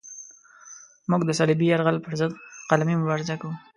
موږ د صلیبي یرغل پرضد قلمي مبارزه کوله.